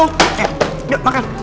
yuk yuk makan